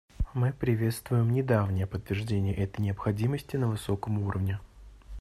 Мы приветствуем недавнее подтверждение этой необходимости на высоком уровне.